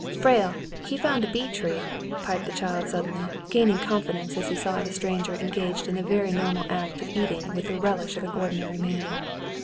"Frale, he found a bee tree," piped the child suddenly, gaining confidence as he saw the stranger engaged in the very normal act of eating with the relish of an ordinary man.